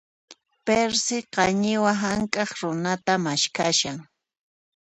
Perci, qañiwa hank'aq runatan maskhashan.